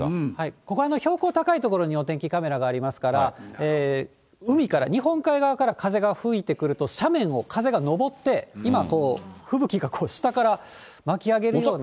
ここは標高高い所にお天気カメラがありますから、海から、日本海側から風が吹いてくると、斜面を風が上って今、吹雪が下から巻き上げるように。